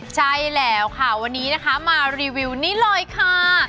ใช่แล้วค่ะวันนี้นะคะมารีวิวนี่เลยค่ะ